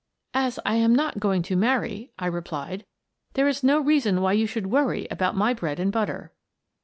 " As I am not going to marry," I replied, " there is no reason why you should worry about my bread and butter."